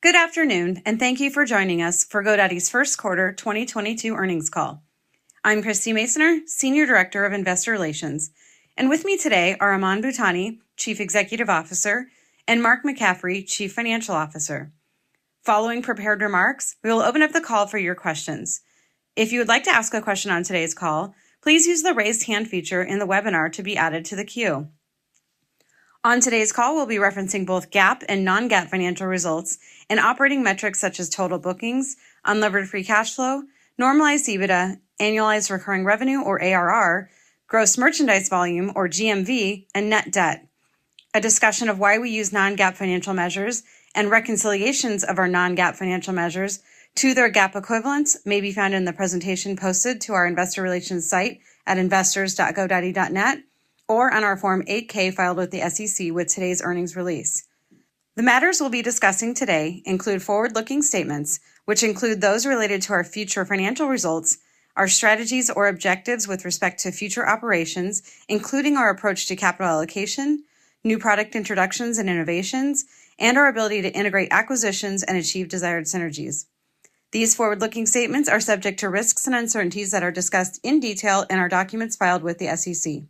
Good afternoon, and thank you for joining us for GoDaddy's first quarter 2022 earnings call. I'm Christie Masoner, Senior Director of Investor Relations. With me today are Aman Bhutani, Chief Executive Officer, and Mark McCaffrey, Chief Financial Officer. Following prepared remarks, we will open up the call for your questions. If you would like to ask a question on today's call, please use the Raise Hand feature in the webinar to be added to the queue. On today's call we'll be referencing both GAAP and non-GAAP financial results and operating metrics such as total bookings, unlevered free cash flow, normalized EBITDA, annualized recurring revenue or ARR, gross merchandise volume or GMV, and net debt. A discussion of why we use non-GAAP financial measures and reconciliations of our non-GAAP financial measures to their GAAP equivalents may be found in the presentation posted to our investor relations site at investors.godaddy.net or on our Form 8-K filed with the SEC with today's earnings release. The matters we'll be discussing today include forward-looking statements which include those related to our future financial results, our strategies or objectives with respect to future operations, including our approach to capital allocation, new product introductions and innovations, and our ability to integrate acquisitions and achieve desired synergies. These forward-looking statements are subject to risks and uncertainties that are discussed in detail in our documents filed with the SEC.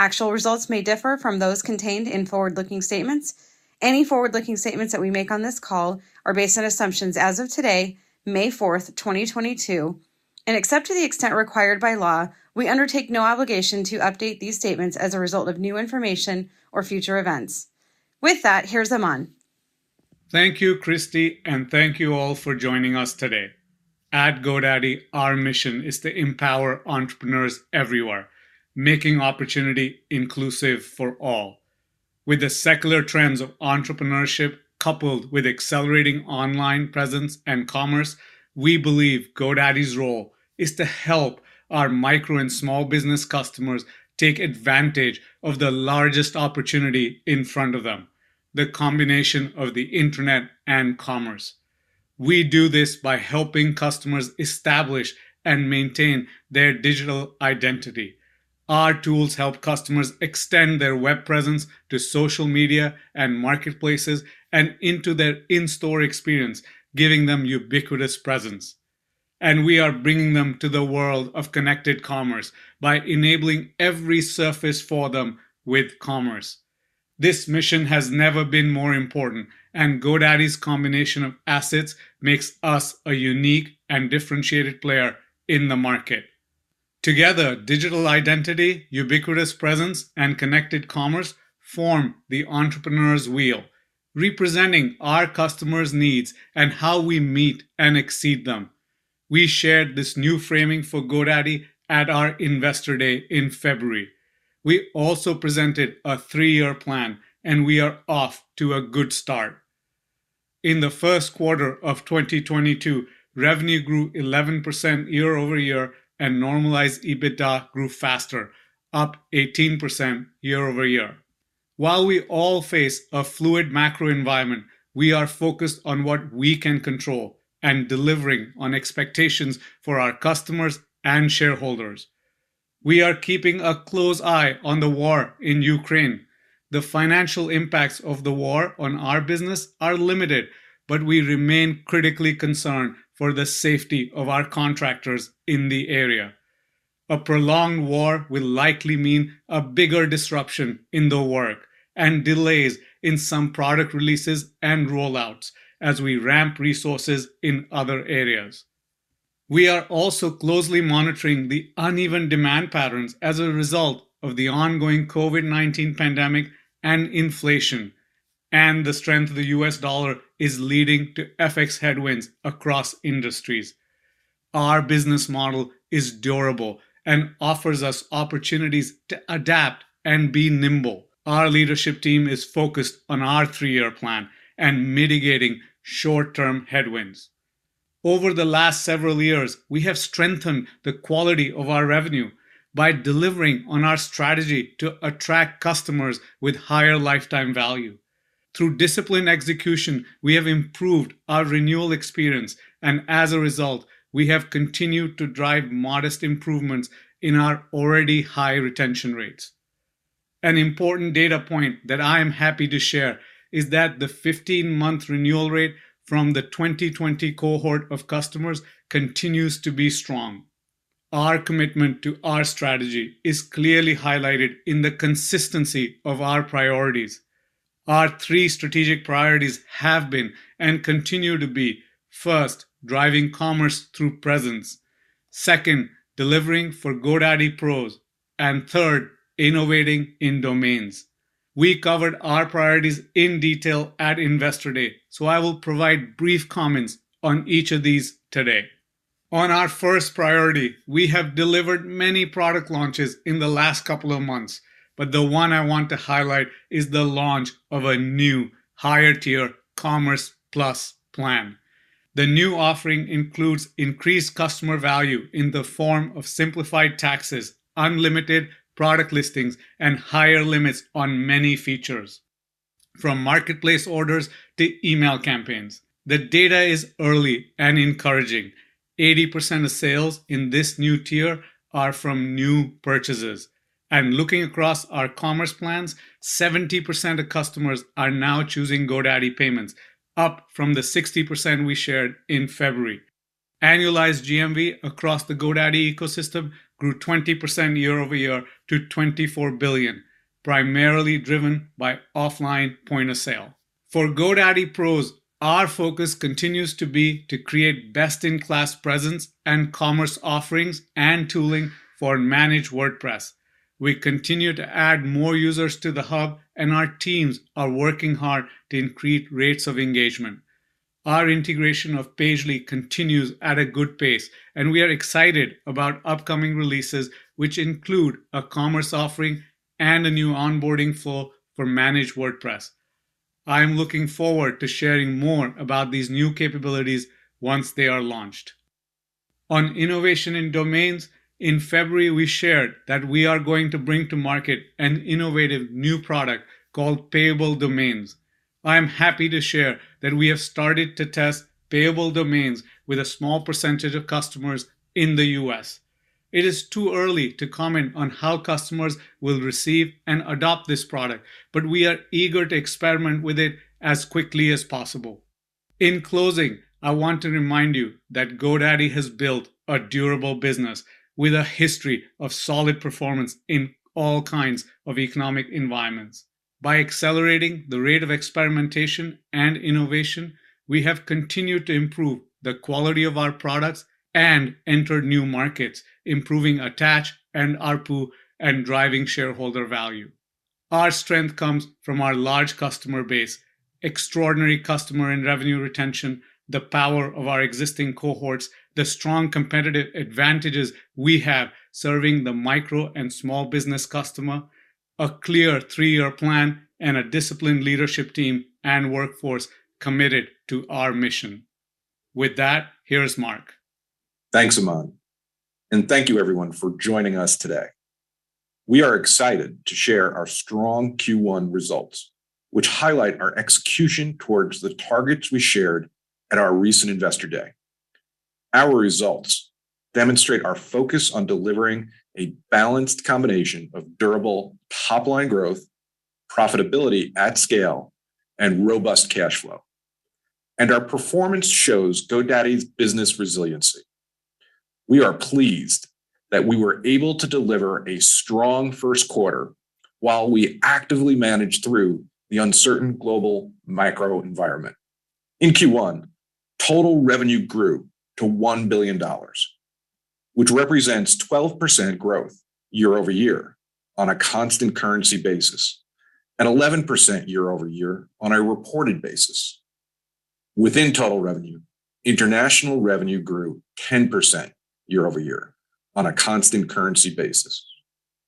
Actual results may differ from those contained in forward-looking statements. Any forward-looking statements that we make on this call are based on assumptions as of today, May 4th, 2022, and except to the extent required by law, we undertake no obligation to update these statements as a result of new information or future events. With that, here's Aman. Thank you, Christie, and thank you all for joining us today. At GoDaddy, our mission is to empower entrepreneurs everywhere, making opportunity inclusive for all. With the secular trends of entrepreneurship coupled with accelerating online presence and commerce, we believe GoDaddy's role is to help our micro and small business customers take advantage of the largest opportunity in front of them, the combination of the internet and commerce. We do this by helping customers establish and maintain their digital identity. Our tools help customers extend their web presence to social media and marketplaces and into their in-store experience, giving them ubiquitous presence. We are bringing them to the world of connected commerce by enabling every surface for them with commerce. This mission has never been more important, and GoDaddy's combination of assets makes us a unique and differentiated player in the market. Together, digital identity, ubiquitous presence, and connected commerce form the Entrepreneur's wheel, representing our customers' needs and how we meet and exceed them. We shared this new framing for GoDaddy at our Investor Day in February. We also presented a three-year plan, and we are off to a good start. In the first quarter of 2022, revenue grew 11% year-over-year, and normalized EBITDA grew faster, up 18% year-over-year. While we all face a fluid macro environment, we are focused on what we can control and delivering on expectations for our customers and shareholders. We are keeping a close eye on the war in Ukraine. The financial impacts of the war on our business are limited, but we remain critically concerned for the safety of our contractors in the area. A prolonged war will likely mean a bigger disruption in the work and delays in some product releases and rollouts as we ramp resources in other areas. We are also closely monitoring the uneven demand patterns as a result of the ongoing COVID-19 pandemic and inflation, and the strength of the U.S. dollar is leading to FX headwinds across industries. Our business model is durable and offers us opportunities to adapt and be nimble. Our leadership team is focused on our three-year plan and mitigating short-term headwinds. Over the last several years, we have strengthened the quality of our revenue by delivering on our strategy to attract customers with higher lifetime value. Through disciplined execution, we have improved our renewal experience, and as a result, we have continued to drive modest improvements in our already high retention rates. An important data point that I am happy to share is that the 15-month renewal rate from the 2020 cohort of customers continues to be strong. Our commitment to our strategy is clearly highlighted in the consistency of our priorities. Our three strategic priorities have been and continue to be, first, driving commerce through presence. Second, delivering for GoDaddy Pros. Third, innovating in domains. We covered our priorities in detail at Investor Day, so I will provide brief comments on each of these today. On our first priority, we have delivered many product launches in the last couple of months, but the one I want to highlight is the launch of a new higher-tier Commerce Plus plan. The new offering includes increased customer value in the form of simplified taxes, unlimited product listings, and higher limits on many features, from marketplace orders to email campaigns. The data is early and encouraging. 80% of sales in this new tier are from new purchases. I'm looking across our commerce plans, 70% of customers are now choosing GoDaddy Payments, up from the 60% we shared in February. Annualized GMV across the GoDaddy ecosystem grew 20% year-over-year to $24 billion, primarily driven by offline point of sale. For GoDaddy Pros, our focus continues to be to create best in class presence and commerce offerings and tooling for Managed WordPress. We continue to add more users to The Hub, and our teams are working hard to increase rates of engagement. Our integration of Pagely continues at a good pace, and we are excited about upcoming releases, which include a commerce offering and a new onboarding flow for Managed WordPress. I am looking forward to sharing more about these new capabilities once they are launched. On innovation in domains, in February, we shared that we are going to bring to market an innovative new product called Payable Domains. I am happy to share that we have started to test Payable Domains with a small percentage of customers in the U.S. It is too early to comment on how customers will receive and adopt this product, but we are eager to experiment with it as quickly as possible. In closing, I want to remind you that GoDaddy has built a durable business with a history of solid performance in all kinds of economic environments. By accelerating the rate of experimentation and innovation, we have continued to improve the quality of our products and enter new markets, improving attach and ARPU, and driving shareholder value. Our strength comes from our large customer base, extraordinary customer and revenue retention, the power of our existing cohorts, the strong competitive advantages we have serving the micro and small business customer, a clear three-year plan, and a disciplined leadership team and workforce committed to our mission. With that, here's Mark. Thanks, Aman. Thank you everyone for joining us today. We are excited to share our strong Q1 results, which highlight our execution towards the targets we shared at our recent Investor Day. Our results demonstrate our focus on delivering a balanced combination of durable top-line growth, profitability at scale, and robust cash flow. Our performance shows GoDaddy's business resiliency. We are pleased that we were able to deliver a strong first quarter while we actively manage through the uncertain global macro environment. In Q1, total revenue grew to $1 billion, which represents 12% growth year-over-year on a constant currency basis, and 11% year-over-year on a reported basis. Within total revenue, international revenue grew 10% year-over-year on a constant currency basis.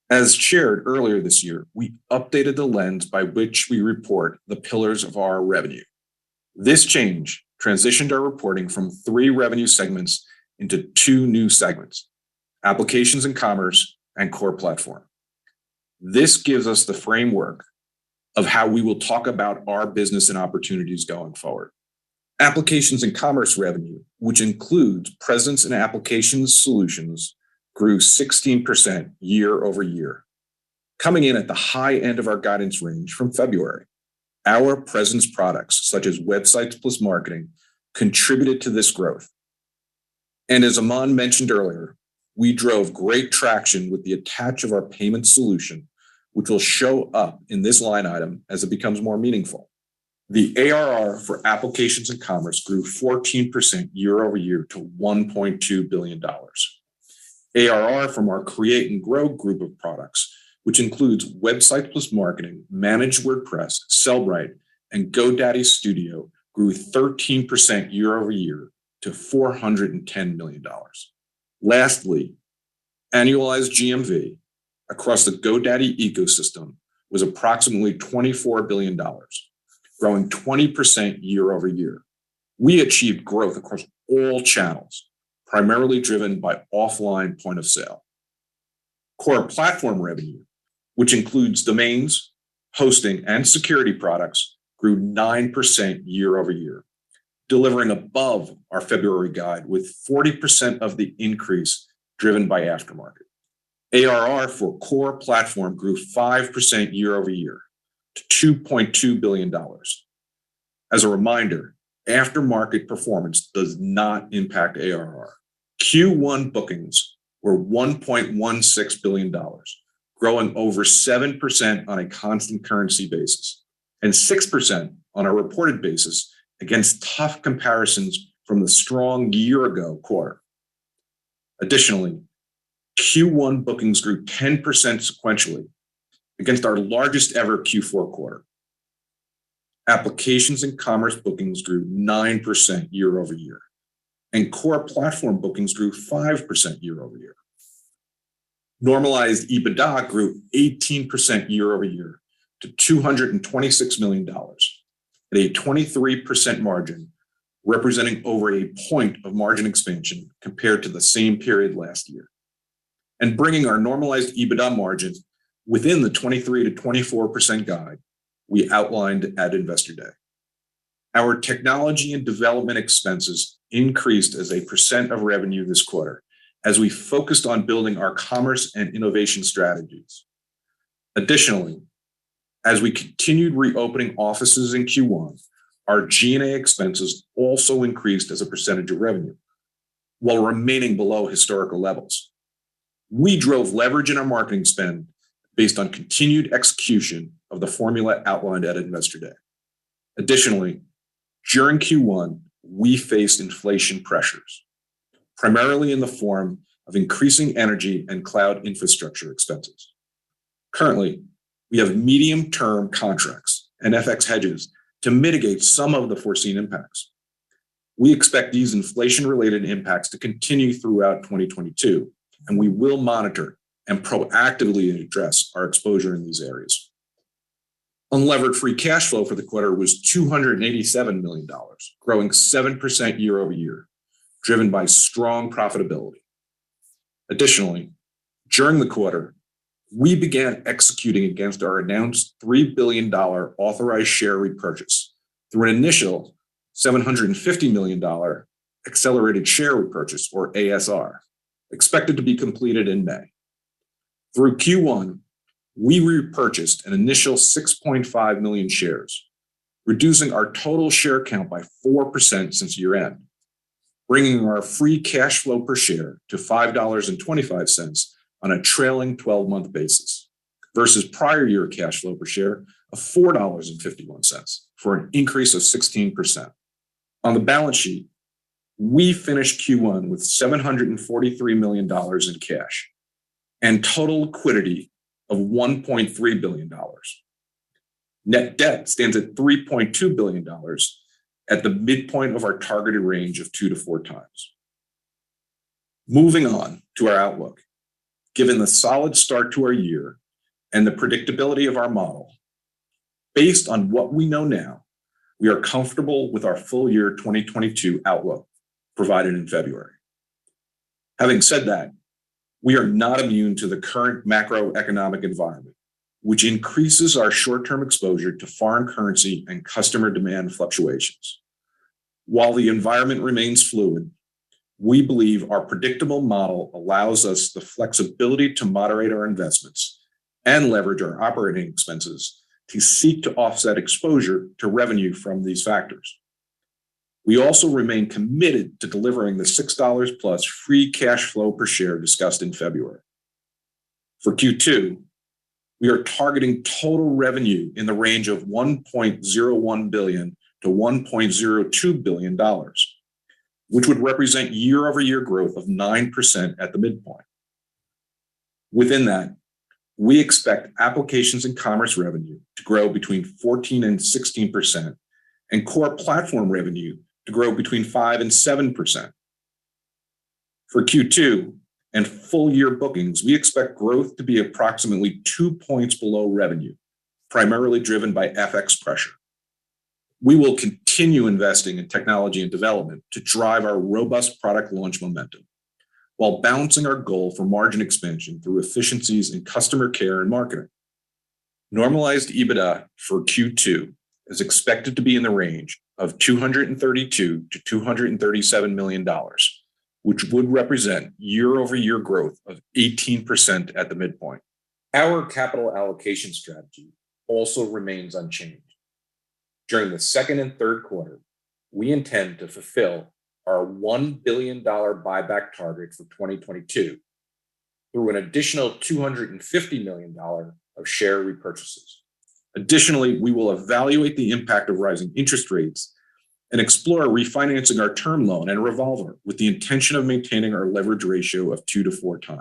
As shared earlier this year, we updated the lens by which we report the pillars of our revenue. This change transitioned our reporting from three revenue segments into two new segments, Applications and Commerce, and Core Platform. This gives us the framework of how we will talk about our business and opportunities going forward. Applications and Commerce revenue, which includes presence and applications solutions, grew 16% year-over-year, coming in at the high end of our guidance range from February. Our presence products, such as Websites + Marketing, contributed to this growth. As Aman mentioned earlier, we drove great traction with the attach of our payment solution, which will show up in this line item as it becomes more meaningful. The ARR for Applications and Commerce grew 14% year-over-year to $1.2 billion. ARR from our Create and Grow group of products, which includes Websites + Marketing, Managed WordPress, Sellbrite, and GoDaddy Studio, grew 13% year-over-year to $410 million. Lastly, annualized GMV across the GoDaddy ecosystem was approximately $24 billion, growing 20% year-over-year. We achieved growth across all channels, primarily driven by offline point of sale. Core Platform revenue, which includes domains, hosting, and security products, grew 9% year-over-year, delivering above our February guide with 40% of the increase driven by aftermarket. ARR for Core Platform grew 5% year-over-year to $2.2 billion. As a reminder, aftermarket performance does not impact ARR. Q1 bookings were $1.16 billion, growing over 7% on a constant currency basis and 6% on a reported basis against tough comparisons from the strong year-ago quarter. Additionally, Q1 bookings grew 10% sequentially against our largest ever Q4 quarter. Applications and Commerce bookings grew 9% year-over-year, and Core Platform bookings grew 5% year-over-year. Normalized EBITDA grew 18% year-over-year to $226 million at a 23% margin, representing over a point of margin expansion compared to the same period last year. Bringing our normalized EBITDA margins within the 23%-24% guide we outlined at Investor Day. Our technology and development expenses increased as a % of revenue this quarter as we focused on building our commerce and innovation strategies. Additionally, as we continued reopening offices in Q1, our G&A expenses also increased as a percentage of revenue while remaining below historical levels. We drove leverage in our marketing spend based on continued execution of the formula outlined at Investor Day. Additionally, during Q1, we faced inflation pressures, primarily in the form of increasing energy and cloud infrastructure expenses. Currently, we have medium-term contracts and FX hedges to mitigate some of the foreseen impacts. We expect these inflation-related impacts to continue throughout 2022, and we will monitor and proactively address our exposure in these areas. Unlevered free cash flow for the quarter was $287 million, growing 7% year-over-year, driven by strong profitability. Additionally, during the quarter, we began executing against our announced $3 billion authorized share repurchase through an initial $750 million accelerated share repurchase, or ASR, expected to be completed in May. Through Q1, we repurchased an initial 6.5 million shares, reducing our total share count by 4% since year-end, bringing our free cash flow per share to $5.25 on a trailing 12-month basis versus prior year cash flow per share of $4.51 for an increase of 16%. On the balance sheet, we finished Q1 with $743 million in cash and total liquidity of $1.3 billion. Net debt stands at $3.2 billion at the midpoint of our targeted range of 2-4x. Moving on to our outlook. Given the solid start to our year and the predictability of our model, based on what we know now, we are comfortable with our full year 2022 outlook provided in February. Having said that, we are not immune to the current macroeconomic environment, which increases our short-term exposure to foreign currency and customer demand fluctuations. While the environment remains fluid, we believe our predictable model allows us the flexibility to moderate our investments and leverage our operating expenses to seek to offset exposure to revenue from these factors. We also remain committed to delivering the $6+ free cash flow per share discussed in February. For Q2, we are targeting total revenue in the range of $1.01 billion-$1.02 billion, which would represent year-over-year growth of 9% at the midpoint. Within that, we expect Applications and Commerce revenue to grow between 14% and 16% and Core Platform revenue to grow between 5% and 7%. For Q2 and full year bookings, we expect growth to be approximately two points below revenue, primarily driven by FX pressure. We will continue investing in technology and development to drive our robust product launch momentum while balancing our goal for margin expansion through efficiencies in customer care and marketing. Normalized EBITDA for Q2 is expected to be in the range of $232 million-$237 million, which would represent year-over-year growth of 18% at the midpoint. Our capital allocation strategy also remains unchanged. During the second and third quarter, we intend to fulfill our $1 billion buyback target for 2022 through an additional $250 million of share repurchases. Additionally, we will evaluate the impact of rising interest rates and explore refinancing our term loan and revolver with the intention of maintaining our leverage ratio of 2-4x.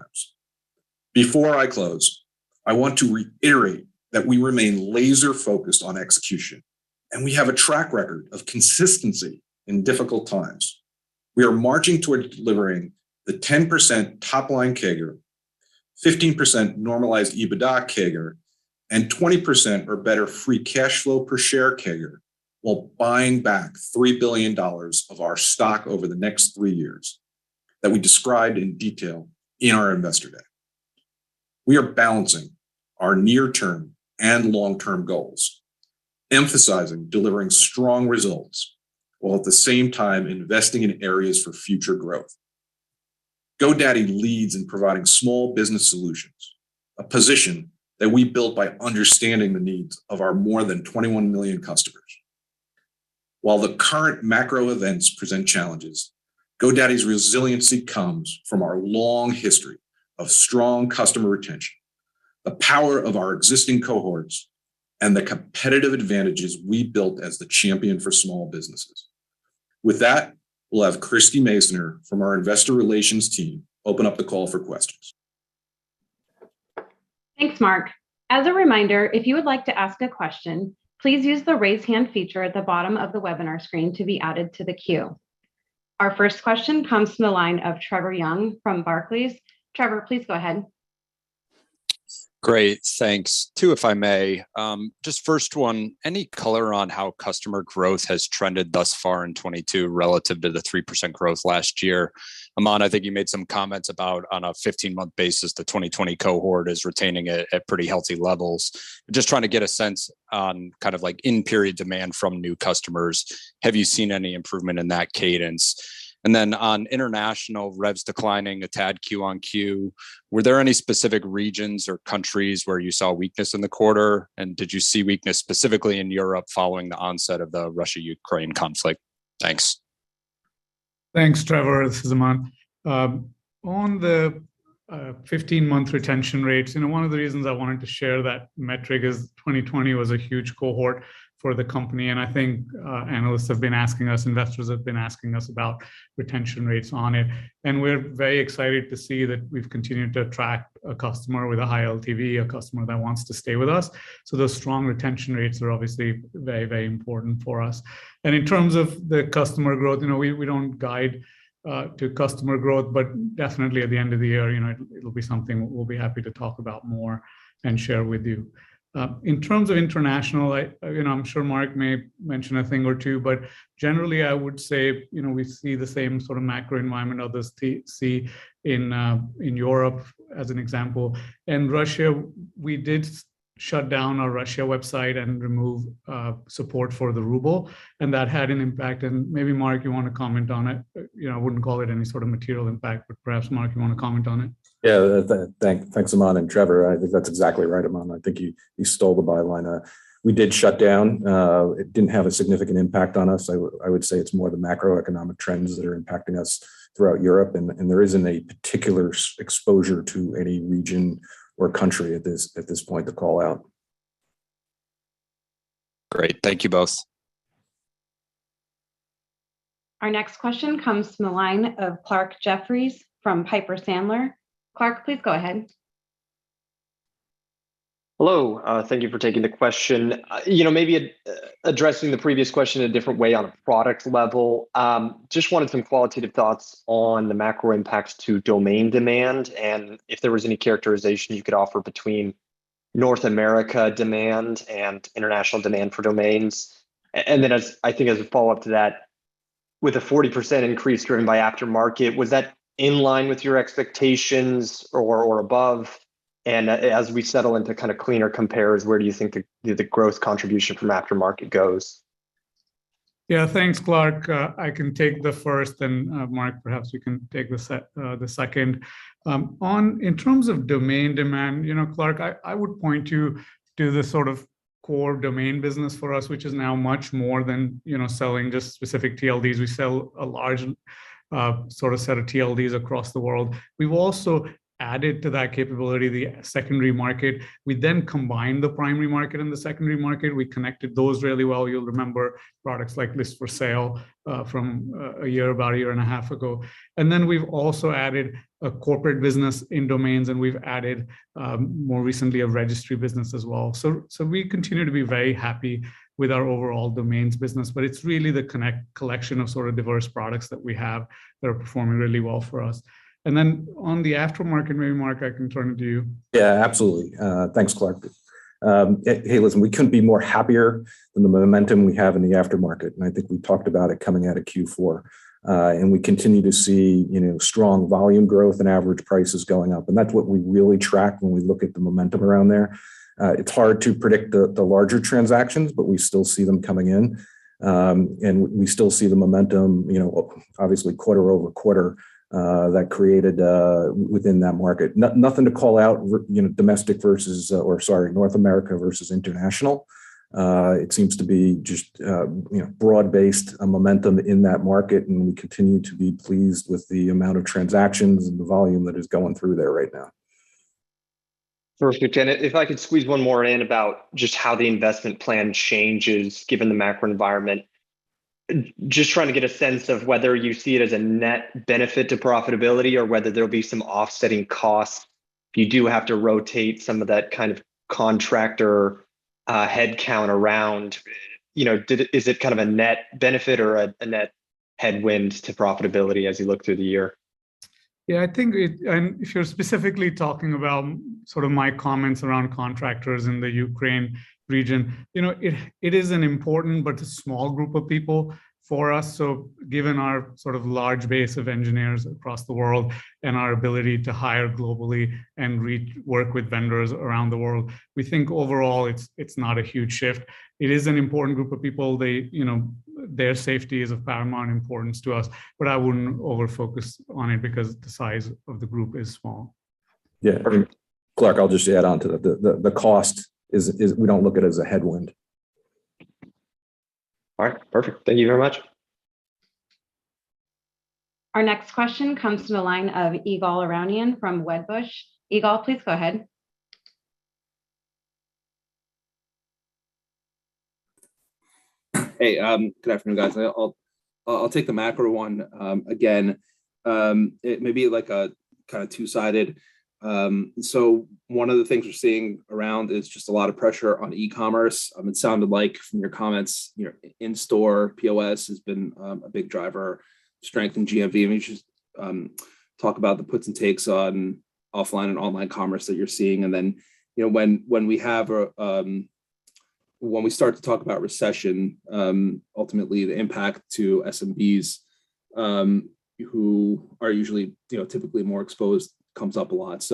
Before I close, I want to reiterate that we remain laser-focused on execution, and we have a track record of consistency in difficult times. We are marching toward delivering the 10% top-line CAGR, 15% normalized EBITDA CAGR, and 20% or better free cash flow per share CAGR while buying back $3 billion of our stock over the next three years that we described in detail in our Investor Day. We are balancing our near-term and long-term goals, emphasizing delivering strong results while at the same time investing in areas for future growth. GoDaddy leads in providing small business solutions, a position that we built by understanding the needs of our more than 21 million customers. While the current macro events present challenges, GoDaddy's resiliency comes from our long history of strong customer retention, the power of our existing cohorts, and the competitive advantages we built as the champion for small businesses. With that, we'll have Christie Masoner from our investor relations team open up the call for questions. Thanks, Mark. As a reminder, if you would like to ask a question, please use the Raise Hand feature at the bottom of the webinar screen to be added to the queue. Our first question comes from the line of Trevor Young from Barclays. Trevor, please go ahead. Great. Thanks. Two, if I may. Just first one, any color on how customer growth has trended thus far in 2022 relative to the 3% growth last year? Aman, I think you made some comments about on a 15-month basis, the 2020 cohort is retaining at pretty healthy levels. Just trying to get a sense on kind of like in-period demand from new customers. Have you seen any improvement in that cadence? On international revs declining a tad quarter-over-quarter, were there any specific regions or countries where you saw weakness in the quarter? Did you see weakness specifically in Europe following the onset of the Russia-Ukraine conflict? Thanks. Thanks, Trevor. This is Aman. On the 15-month retention rates, you know, one of the reasons I wanted to share that metric is 2020 was a huge cohort for the company, and I think analysts have been asking us, investors have been asking us about retention rates on it. We're very excited to see that we've continued to attract a customer with a high LTV, a customer that wants to stay with us, so those strong retention rates are obviously very, very important for us. In terms of the customer growth, you know, we don't guide to customer growth, but definitely at the end of the year, you know, it'll be something we'll be happy to talk about more and share with you. In terms of international, I, you know, I'm sure Mark may mention a thing or two, but generally, I would say, you know, we see the same sort of macro environment others see in Europe, as an example. In Russia, we did shut down our Russia website and remove support for the ruble, and that had an impact. Maybe, Mark, you wanna comment on it? You know, I wouldn't call it any sort of material impact, but perhaps, Mark, you wanna comment on it? Yeah. Thanks, Aman. Trevor, I think that's exactly right, Aman. I think you stole the byline. We did shut down. It didn't have a significant impact on us. I would say it's more the macroeconomic trends that are impacting us throughout Europe, and there isn't a particular exposure to any region or country at this point to call out. Great. Thank you both. Our next question comes from the line of Clarke Jeffries from Piper Sandler. Clark, please go ahead. Hello. Thank you for taking the question. You know, maybe addressing the previous question a different way on a product level. Just wanted some qualitative thoughts on the macro impacts to domain demand, and if there was any characterization you could offer between North America demand and international demand for domains. Then I think as a follow-up to that, with a 40% increase driven by aftermarket, was that in line with your expectations or above? As we settle into kinda cleaner compares, where do you think the growth contribution from aftermarket goes? Yeah. Thanks, Clarke. I can take the first, and Mark, perhaps you can take the second. In terms of domain demand, you know, Clarke, I would point you to the sort of core domain business for us, which is now much more than, you know, selling just specific TLDs. We sell a large sort of set of TLDs across the world. We've also added to that capability the secondary market. We then combined the primary market and the secondary market. We connected those really well. You'll remember products like Lists for Sale from about a year and a half ago. Then we've also added a corporate business in domains, and we've added more recently a registry business as well. We continue to be very happy with our overall domains business, but it's really the collection of sort of diverse products that we have that are performing really well for us. On the aftermarket, maybe Mark, I can turn it to you. Yeah, absolutely. Thanks, Clarke. Hey, listen, we couldn't be more happier than the momentum we have in the aftermarket, and I think we talked about it coming out of Q4. We continue to see, you know, strong volume growth and average prices going up, and that's what we really track when we look at the momentum around there. It's hard to predict the larger transactions, but we still see them coming in. We still see the momentum, you know, obviously quarter-over-quarter, that created within that market. Nothing to call out, you know, domestic versus, or sorry, North America versus international. It seems to be just, you know, broad-based momentum in that market, and we continue to be pleased with the amount of transactions and the volume that is going through there right now. Perfect. If I could squeeze one more in about just how the investment plan changes given the macro environment. Just trying to get a sense of whether you see it as a net benefit to profitability or whether there'll be some offsetting costs if you do have to rotate some of that kind of contractor headcount around. You know, is it kind of a net benefit or a net headwind to profitability as you look through the year? Yeah. I think it. If you're specifically talking about sort of my comments around contractors in the Ukraine region, you know, it is an important but a small group of people for us. Given our sort of large base of engineers across the world and our ability to hire globally and work with vendors around the world, we think overall, it's not a huge shift. It is an important group of people. You know, their safety is of paramount importance to us, but I wouldn't over-focus on it because the size of the group is small. Yeah. I mean, Clarke, I'll just add on to that. The cost is. We don't look at it as a headwind. All right. Perfect. Thank you very much. Our next question comes from the line of Ygal Arounian from Wedbush. Ygal, please go ahead. Hey. Good afternoon, guys. I'll take the macro one again. It may be like a kinda two-sided. One of the things we're seeing around is just a lot of pressure on e-commerce. It sounded like from your comments, you know, in-store POS has been a big driver, strength in GMV. Maybe just talk about the puts and takes on offline and online commerce that you're seeing. You know, when we have a When we start to talk about recession, ultimately the impact to SMBs, who are usually, you know, typically more exposed comes up a lot.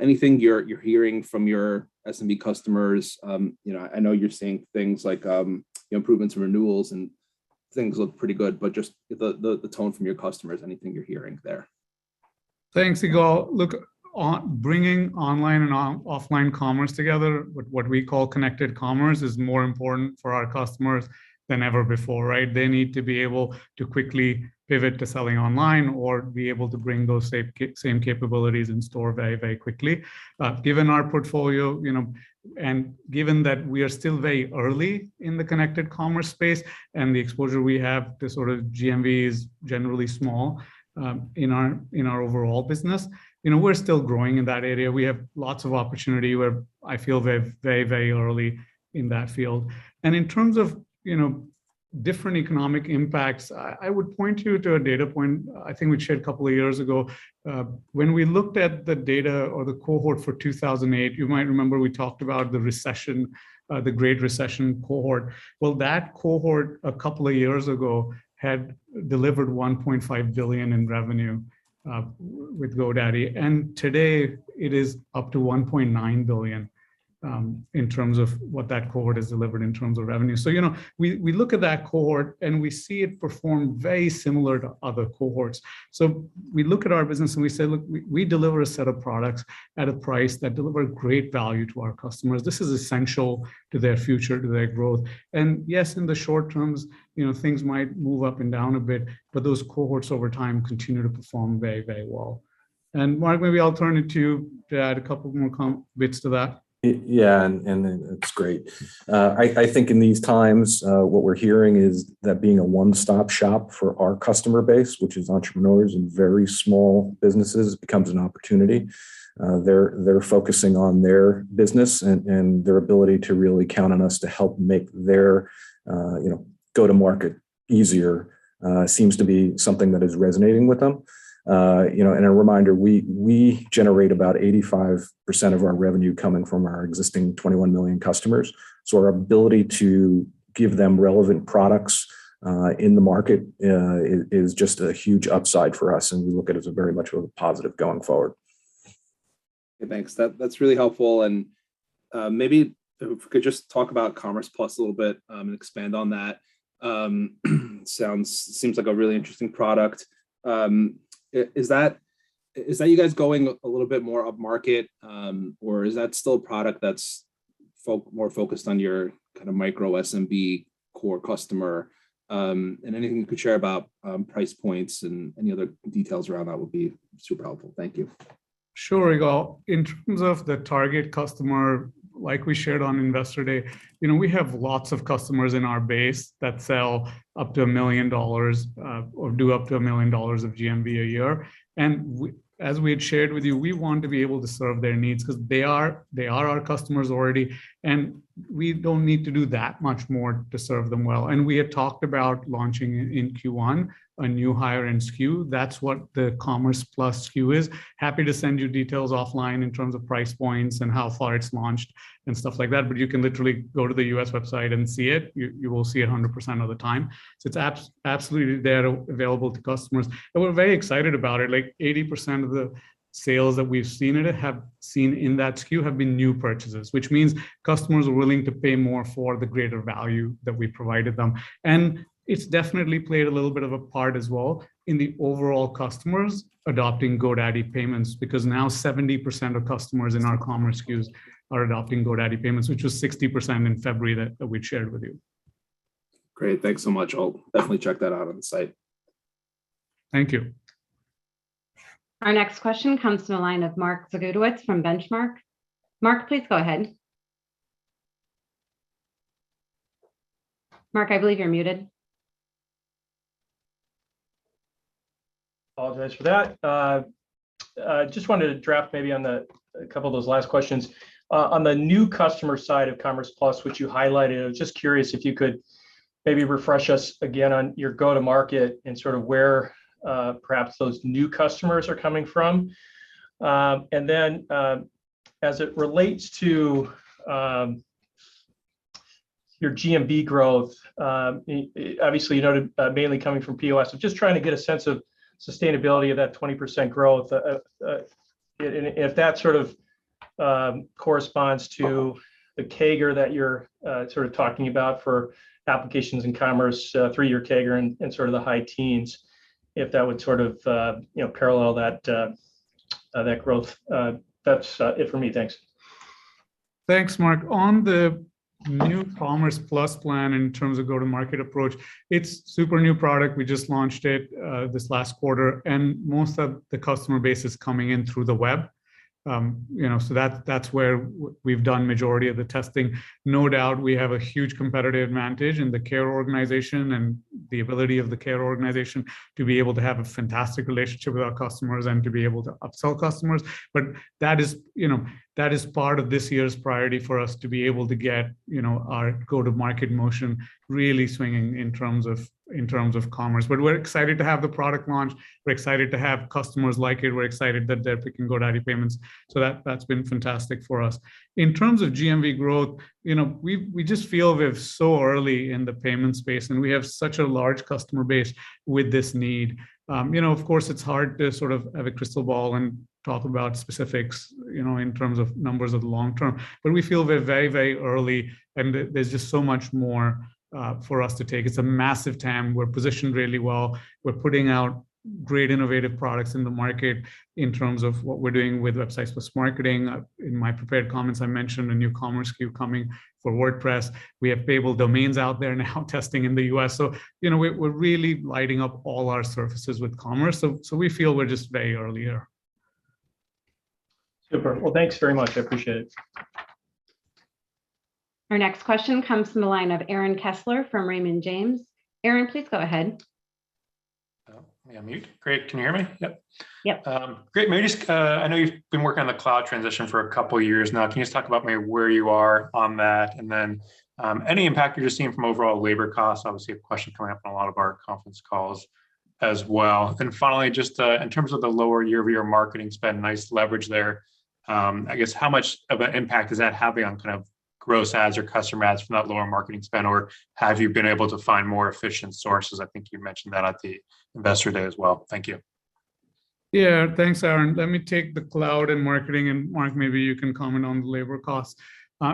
Anything you're hearing from your SMB customers, you know, I know you're seeing things like, you know, improvements in renewals and things look pretty good, but just the tone from your customers, anything you're hearing there. Thanks, Yigal. Look, bringing online and offline commerce together with what we call connected commerce is more important for our customers than ever before, right? They need to be able to quickly pivot to selling online or be able to bring those same capabilities in store very, very quickly. Given our portfolio, you know, and given that we are still very early in the connected commerce space and the exposure we have to sort of GMVs generally small, in our overall business, you know, we're still growing in that area. We have lots of opportunity where I feel we're very, very early in that field. In terms of, you know, different economic impacts, I would point you to a data point I think we'd shared a couple of years ago. When we looked at the data or the cohort for 2008, you might remember we talked about the recession, the great recession cohort. Well, that cohort a couple of years ago had delivered $1.5 billion in revenue with GoDaddy, and today it is up to $1.9 billion in terms of what that cohort has delivered in terms of revenue. You know, we look at that cohort, and we see it perform very similar to other cohorts. We look at our business, and we say, "Look, we deliver a set of products at a price that deliver great value to our customers. This is essential to their future, to their growth." Yes, in the short term, you know, things might move up and down a bit, but those cohorts over time continue to perform very, very well. Mark, maybe I'll turn it to you to add a couple more comments to that. Yeah, and it's great. I think in these times, what we're hearing is that being a one-stop shop for our customer base, which is entrepreneurs and very small businesses, becomes an opportunity. They're focusing on their business and their ability to really count on us to help make their go-to-market easier seems to be something that is resonating with them. You know, a reminder, we generate about 85% of our revenue coming from our existing 21 million customers, so our ability to give them relevant products in the market is just a huge upside for us, and we look at it as a very much of a positive going forward. Hey, thanks. That's really helpful. Maybe if we could just talk about Commerce Plus a little bit, and expand on that. Seems like a really interesting product. Is that you guys going a little bit more upmarket, or is that still a product that's more focused on your kind of micro SMB core customer? Anything you could share about price points and any other details around that would be super helpful. Thank you. Sure, Yigal. In terms of the target customer, like we shared on Investor Day, you know, we have lots of customers in our base that sell up to $1 million or do up to $1 million of GMV a year. As we had shared with you, we want to be able to serve their needs 'cause they are our customers already, and we don't need to do that much more to serve them well. We had talked about launching in Q1 a new higher-end SKU. That's what the Commerce Plus SKU is. Happy to send you details offline in terms of price points and how far it's launched and stuff like that, but you can literally go to the U.S. website and see it. You will see it 100% of the time. It's absolutely there, available to customers. We're very excited about it. Like, 80% of the sales that we've seen in that SKU have been new purchases, which means customers are willing to pay more for the greater value that we provided them. It's definitely played a little bit of a part as well in the overall customers adopting GoDaddy Payments because now 70% of customers in our commerce SKUs are adopting GoDaddy Payments, which was 60% in February that we'd shared with you. Great. Thanks so much. I'll definitely check that out on the site. Thank you. Our next question comes from the line of Mark Zgutowicz from Benchmark. Mark, please go ahead. Mark, I believe you're muted. Apologize for that. Just wanted to follow up on a couple of those last questions. On the new customer side of Commerce Plus, which you highlighted, I was just curious if you could maybe refresh us again on your go-to-market and sort of where perhaps those new customers are coming from. As it relates to your GMV growth, obviously you noted mainly coming from POS. I'm just trying to get a sense of sustainability of that 20% growth, and if that sort of corresponds to the CAGR that you're sort of talking about for Applications and Commerce, three-year CAGR and sort of the high teens, if that would sort of you know parallel that growth. That's it for me. Thanks. Thanks, Mark. On the new Commerce Plus plan in terms of go-to-market approach, it's super new product. We just launched it this last quarter, and most of the customer base is coming in through the web. You know, so that's where we've done majority of the testing. No doubt we have a huge competitive advantage in the care organization and the ability of the care organization to be able to have a fantastic relationship with our customers and to be able to upsell customers. That is, you know, part of this year's priority for us to be able to get our go-to-market motion really swinging in terms of commerce. We're excited to have the product launch. We're excited to have customers like it. We're excited that they're picking GoDaddy Payments. That's been fantastic for us. In terms of GMV growth, you know, we just feel we're so early in the payment space, and we have such a large customer base with this need. You know, of course, it's hard to sort of have a crystal ball and talk about specifics, you know, in terms of numbers of the long term, but we feel we're very, very early, and there's just so much more for us to take. It's a massive TAM. We're positioned really well. We're putting out great innovative products in the market in terms of what we're doing with Websites + Marketing. In my prepared comments, I mentioned a new commerce queue coming for WordPress. We have Payable Domains out there now testing in the U.S. So, you know, we're really lighting up all our services with commerce. So, we feel we're just very early here. Super. Well, thanks very much. I appreciate it. Our next question comes from the line of Aaron Kessler from Raymond James. Aaron, please go ahead. Oh, am I on mute? Great. Can you hear me? Yep. Yep. Great. Maybe just, I know you've been working on the cloud transition for a couple years now. Can you just talk about maybe where you are on that? Any impact you're seeing from overall labor costs, obviously a question coming up in a lot of our conference calls as well. Finally, in terms of the lower year-over-year marketing spend, nice leverage there. I guess how much of an impact is that having on kind of gross ads or customer ads from that lower marketing spend? Or have you been able to find more efficient sources? I think you mentioned that at the investor day as well. Thank you. Yeah. Thanks, Aaron. Let me take the cloud and marketing, and Mark, maybe you can comment on the labor costs.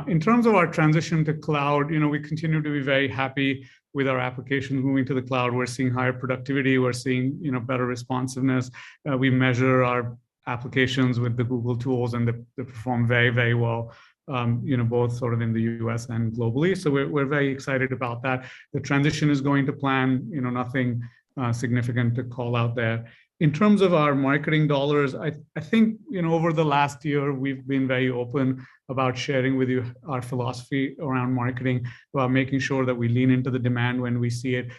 In terms of our transition to cloud, you know, we continue to be very happy with our application moving to the cloud. We're seeing higher productivity. We're seeing, you know, better responsiveness. We measure our applications with the Google tools, and they perform very, very well, you know, both sort of in the U.S. and globally. So we're very excited about that. The transition is going to plan, you know, nothing significant to call out there. In terms of our marketing dollars, I think, you know, over the last year, we've been very open about sharing with you our philosophy around marketing, about making sure that we lean into the demand when we see it.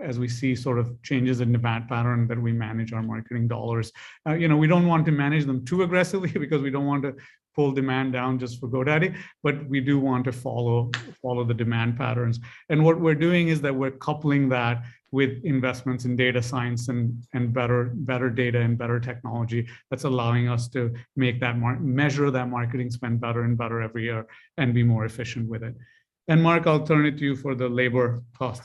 As we see sort of changes in demand pattern that we manage our marketing dollars. You know, we don't want to manage them too aggressively because we don't want to pull demand down just for GoDaddy, but we do want to follow the demand patterns. What we're doing is that we're coupling that with investments in data science and better data and better technology that's allowing us to measure that marketing spend better and better every year and be more efficient with it. Mark, I'll turn it to you for the labor cost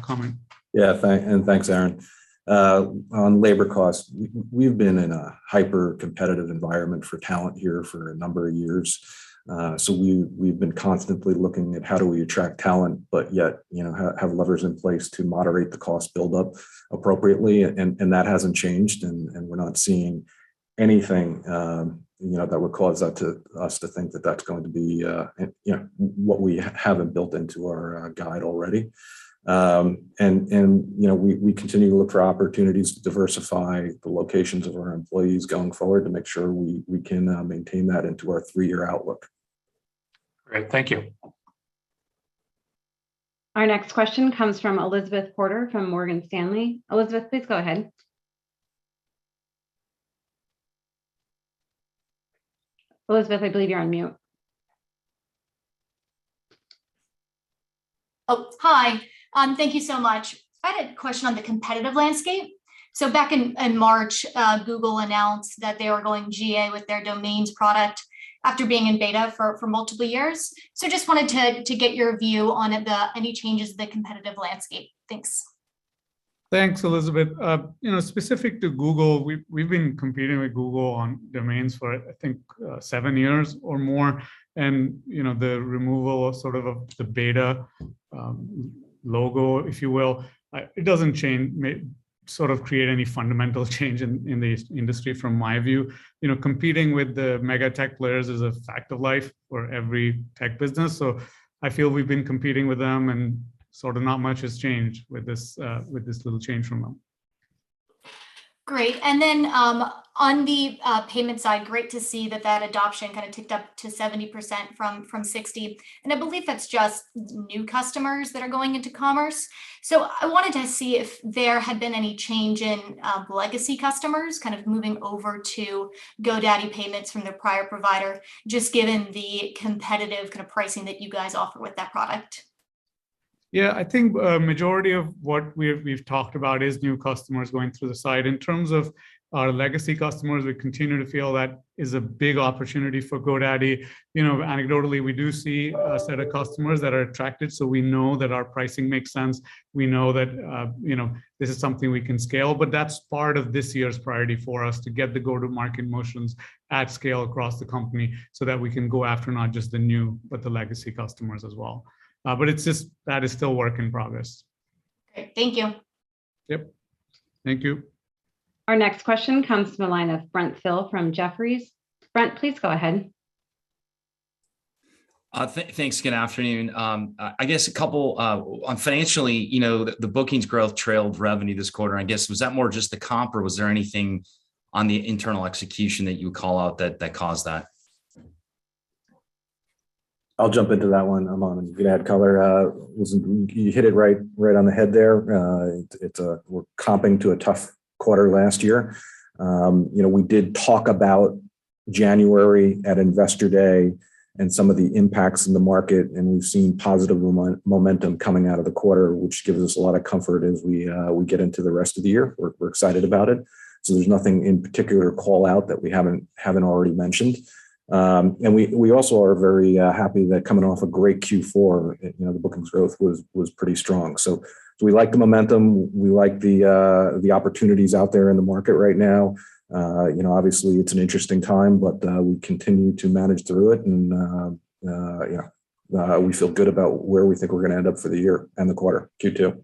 comment. Yeah. Thanks, and thanks, Aaron. On labor costs, we've been in a hyper-competitive environment for talent here for a number of years. So we've been constantly looking at how do we attract talent, but yet, you know, have levers in place to moderate the cost build-up appropriately. That hasn't changed, and we're not seeing anything, you know, that would cause us to think that that's going to be, you know, what we haven't built into our guide already. You know, we continue to look for opportunities to diversify the locations of our employees going forward to make sure we can maintain that into our three-year outlook. Great. Thank you. Our next question comes from Elizabeth Porter from Morgan Stanley. Elizabeth, please go ahead. Elizabeth, I believe you're on mute. Oh, hi. Thank you so much. I had a question on the competitive landscape. Back in March, Google announced that they were going GA with their domains product after being in beta for multiple years. Just wanted to get your view on any changes to the competitive landscape. Thanks. Thanks, Elizabeth. You know, specific to Google, we've been competing with Google on domains for I think seven years or more. You know, the removal of sort of the beta logo, if you will, it doesn't change, may sort of create any fundamental change in the industry from my view. You know, competing with the mega tech players is a fact of life for every tech business. I feel we've been competing with them and sort of not much has changed with this little change from them. Great. On the payment side, great to see that adoption kinda ticked up to 70% from 60%. I believe that's just new customers that are going into commerce. I wanted to see if there had been any change in legacy customers kind of moving over to GoDaddy Payments from their prior provider, just given the competitive kind of pricing that you guys offer with that product. Yeah. I think a majority of what we've talked about is new customers going through the site. In terms of our legacy customers, we continue to feel that is a big opportunity for GoDaddy. You know, anecdotally, we do see a set of customers that are attracted, so we know that our pricing makes sense. We know that, you know, this is something we can scale, but that's part of this year's priority for us to get the go-to-market motions at scale across the company so that we can go after not just the new, but the legacy customers as well. But it's just, that is still work in progress. Great. Thank you. Yep. Thank you. Our next question comes from the line of Brent Thill from Jefferies. Brent, please go ahead. Thanks, good afternoon. I guess a couple on financially, you know, the bookings growth trailed revenue this quarter. I guess was that more just the comp, or was there anything on the internal execution that you would call out that caused that? I'll jump into that one, Aman, and you can add color. Listen, you hit it right on the head there. It's we're comping to a tough quarter last year. You know, we did talk about January at Investor Day and some of the impacts in the market, and we've seen positive momentum coming out of the quarter, which gives us a lot of comfort as we get into the rest of the year. We're excited about it. There's nothing in particular to call out that we haven't already mentioned. We also are very happy that coming off a great Q4, you know, the bookings growth was pretty strong. We like the momentum. We like the opportunities out there in the market right now. You know, obviously it's an interesting time, but we continue to manage through it and yeah. We feel good about where we think we're gonna end up for the year and the quarter, Q2.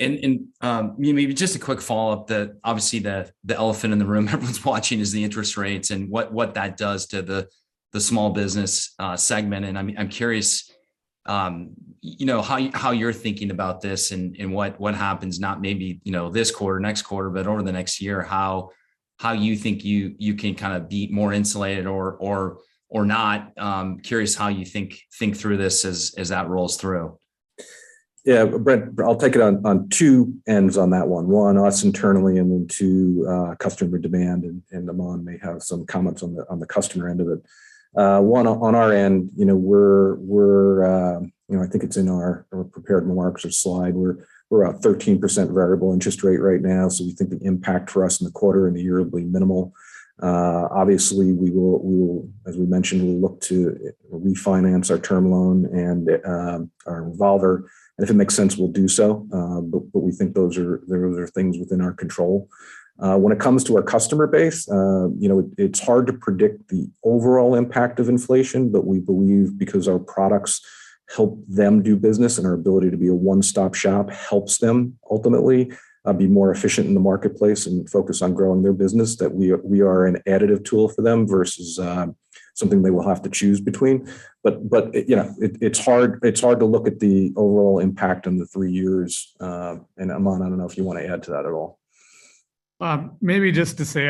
Maybe just a quick follow-up that obviously the elephant in the room everyone's watching is the interest rates and what that does to the small business segment. I mean, I'm curious, you know, how you're thinking about this and what happens, not maybe, you know, this quarter, next quarter, but over the next year, how you think you can kind of be more insulated or not. Curious how you think through this as that rolls through. Yeah. Brent, I'll take it on two ends on that one. One, us internally, and then two, customer demand, and Aman may have some comments on the customer end of it. One, on our end, you know, we're. You know, I think it's in our prepared remarks or slide, we're at 13% variable interest rate right now, so we think the impact for us in the quarter and the year will be minimal. Obviously we will, as we mentioned, we'll look to refinance our term loan and our revolver, and if it makes sense, we'll do so. We think those are other things within our control. When it comes to our customer base, you know, it's hard to predict the overall impact of inflation, but we believe because our products help them do business and our ability to be a one-stop-shop helps them ultimately be more efficient in the marketplace and focus on growing their business, that we are an additive tool for them versus something they will have to choose between. You know, it's hard to look at the overall impact on the three years. Aman, I don't know if you want to add to that at all. Maybe just to say,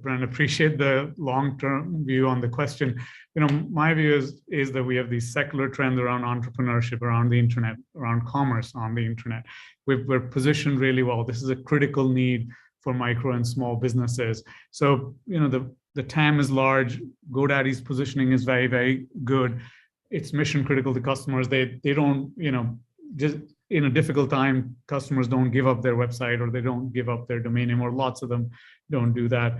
Brent, I appreciate the long-term view on the question. You know, my view is that we have these secular trends around entrepreneurship, around the internet, around commerce on the internet. We're positioned really well. This is a critical need for micro and small businesses. You know, the TAM is large. GoDaddy's positioning is very, very good. It's mission critical to customers. They don't, you know, just in a difficult time, customers don't give up their website or they don't give up their domain name, or lots of them don't do that.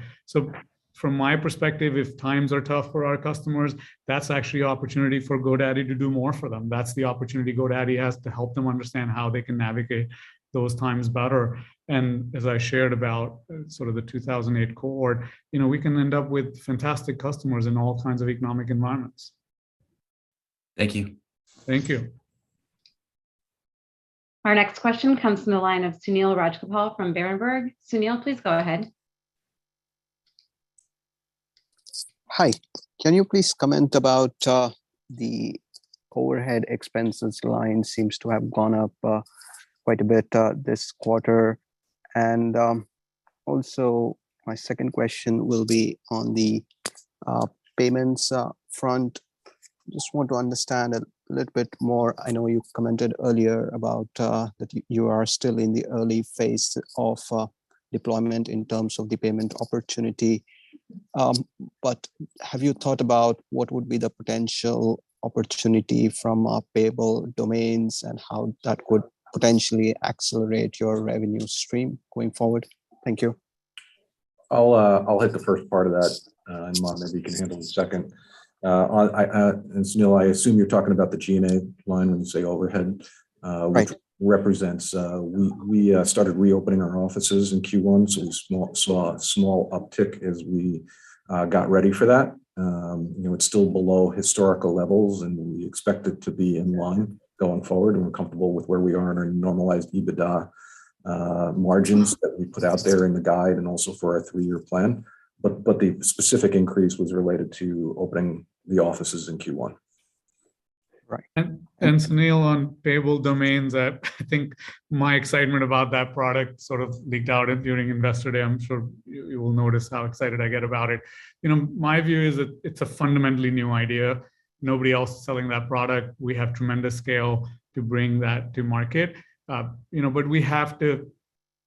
From my perspective, if times are tough for our customers, that's actually opportunity for GoDaddy to do more for them. That's the opportunity GoDaddy has to help them understand how they can navigate those times better. As I shared about sort of the 2008 cohort, you know, we can end up with fantastic customers in all kinds of economic environments. Thank you. Thank you. Our next question comes from the line of Sunil Rajgopal from Berenberg. Sunil, please go ahead. Hi. Can you please comment about the overhead expenses line seems to have gone up quite a bit this quarter? Also my second question will be on the payments front. Just want to understand a little bit more. I know you commented earlier about that you are still in the early phase of deployment in terms of the payment opportunity. Have you thought about what would be the potential opportunity from Payable Domains and how that could potentially accelerate your revenue stream going forward? Thank you. I'll hit the first part of that, and Aman, maybe you can handle the second. Sunil, I assume you're talking about the G&A line when you say overhead. Right. which represents, we started reopening our offices in Q1, so we saw a small uptick as we got ready for that. You know, it's still below historical levels, and we expect it to be in line going forward, and we're comfortable with where we are in our normalized EBITDA margins that we put out there in the guide and also for our three-year plan. But the specific increase was related to opening the offices in Q1. Right. Sunil, on Payable Domains, I think my excitement about that product sort of leaked out during Investor Day. I'm sure you will notice how excited I get about it. You know, my view is that it's a fundamentally new idea. Nobody else is selling that product. We have tremendous scale to bring that to market. You know, but we have to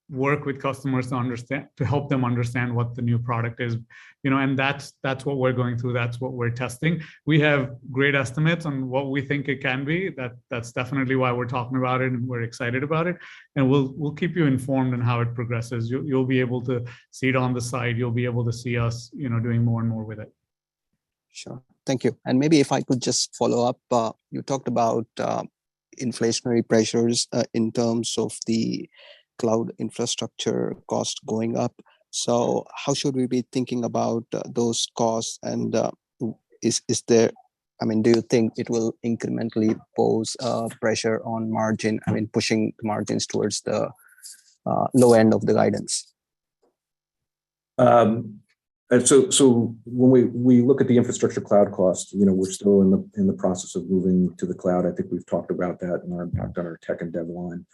work with customers to understand, to help them understand what the new product is. You know, and that's what we're going through. That's what we're testing. We have great estimates on what we think it can be. That's definitely why we're talking about it, and we're excited about it, and we'll keep you informed on how it progresses. You'll be able to see it on the site. You'll be able to see us, you know, doing more and more with it. Sure. Thank you. Maybe if I could just follow up. You talked about inflationary pressures in terms of the cloud infrastructure cost going up. How should we be thinking about those costs? I mean, do you think it will incrementally pose pressure on margin, I mean, pushing margins towards the low end of the guidance? When we look at the infrastructure cloud cost, you know, we're still in the process of moving to the cloud. I think we've talked about that and our impact on our tech and dev line.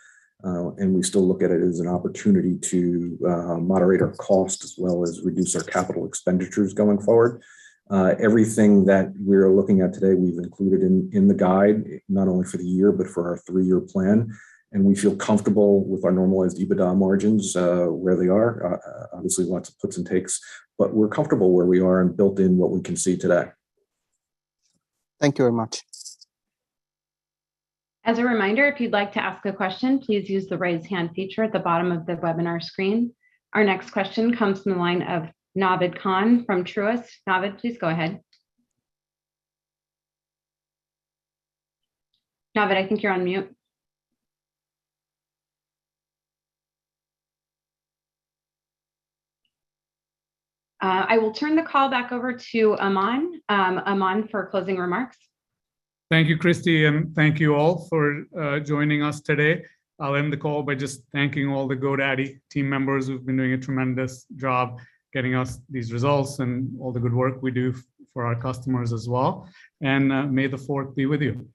We still look at it as an opportunity to moderate our costs as well as reduce our capital expenditures going forward. Everything that we are looking at today, we've included in the guide, not only for the year but for our three-year plan, and we feel comfortable with our normalized EBITDA margins, where they are. Obviously, lots of puts and takes, but we're comfortable where we are and built in what we can see today. Thank you very much. As a reminder, if you'd like to ask a question, please use the Raise Hand feature at the bottom of the webinar screen. Our next question comes from the line of Naved Khan from Truist. Naved, please go ahead. Navid, I think you're on mute. I will turn the call back over to Aman. Aman, for closing remarks. Thank you, Christie, and thank you all for joining us today. I'll end the call by just thanking all the GoDaddy team members who've been doing a tremendous job getting us these results and all the good work we do for our customers as well. May the fork be with you.